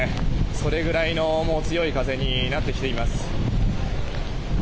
それぐらいの強い風になってきています。